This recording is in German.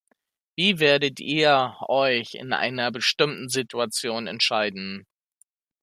Wie werdet ihr euch in einer bestimmten Situation entscheiden?